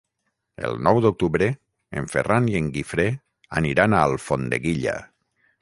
El nou d'octubre en Ferran i en Guifré aniran a Alfondeguilla.